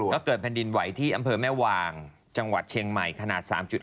ก็เกิดแผ่นดินไหวที่อำเภอแม่วางจังหวัดเชียงใหม่ขนาด๓๗